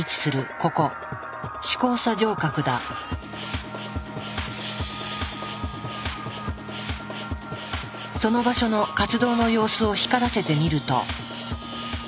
ここその場所の活動の様子を光らせてみると。